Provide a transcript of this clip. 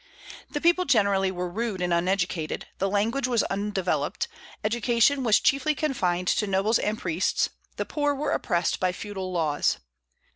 The people generally were rude and uneducated; the language was undeveloped; education was chiefly confined to nobles and priests; the poor were oppressed by feudal laws.